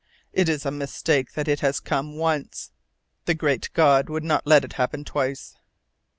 It is a mistake that it has come once. The Great God would not let it happen twice."